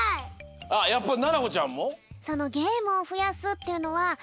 あっやっぱななこちゃんも？